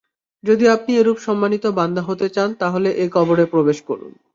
যদি আপনি এরূপ সম্মানিত বান্দা হতে চান তাহলে এ কবরে প্রবেশ করুন।